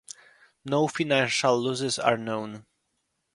No financial losses are known.